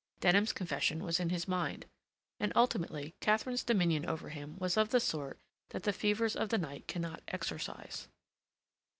Denham's confession was in his mind. And ultimately, Katharine's dominion over him was of the sort that the fevers of the night cannot exorcise.